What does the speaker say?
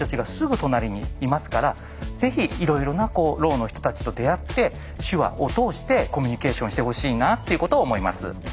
ぜひいろいろなろうの人たちと出会って手話を通してコミュニケーションしてほしいなっていうことを思います。